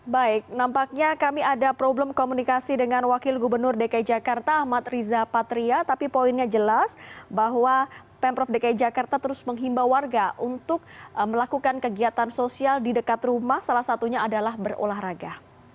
baik nampaknya kami ada problem komunikasi dengan wakil gubernur dki jakarta ahmad riza patria tapi poinnya jelas bahwa pemprov dki jakarta terus menghimbau warga untuk melakukan kegiatan sosial di dekat rumah salah satunya adalah berolahraga